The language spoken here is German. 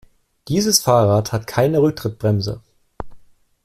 Dieses Fahrrad hat keine Rücktrittbremse.